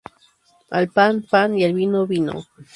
Al pan, pan y al vino, vino